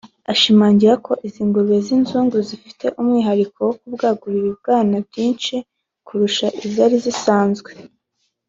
ashimangira ko izi ngurube z’ inzungu zifite umwihariko wo kubwagura ibibwana byinshi kurusha izari zisanzwe